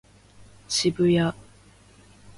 渋谷